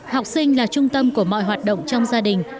học sinh là trung tâm của mọi hoạt động trong gia đình